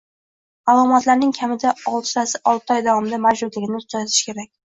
alomatlarning kamida olti tasi olti oy davomida mavjudligini kuzatish kerak bo‘ladi.